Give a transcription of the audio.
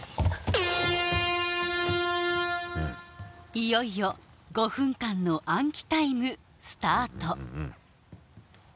いよいよ５分間の暗記タイムスタート